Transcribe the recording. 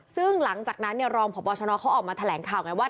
ซึ่งหลังจากนั้นรองผัวปอล์ชนอลเขาออกมาแทรกข่าวว่า